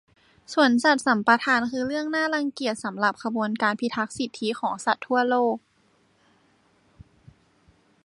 สวนสัตว์สัมปทานคือเรื่องน่ารังเกียจสำหรับขบวนการพิทักษ์สิทธิของสัตว์ทั่วโลก